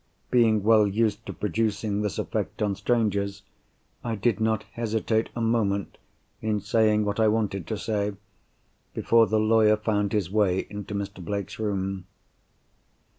Being well used to producing this effect on strangers, I did not hesitate a moment in saying what I wanted to say, before the lawyer found his way into Mr. Blake's room.